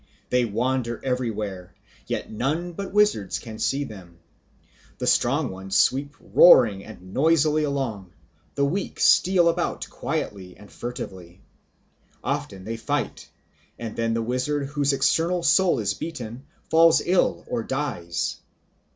They wander everywhere, yet none but wizards can see them. The strong ones sweep roaring and noisily along, the weak steal about quietly and furtively. Often they fight, and then the wizard whose external soul is beaten, falls ill or dies.